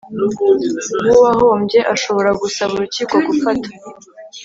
w uwahombye ashobora gusaba urukiko gufata